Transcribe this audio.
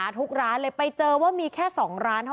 และก็คือว่าถึงแม้วันนี้จะพบรอยเท้าเสียแป้งจริงไหม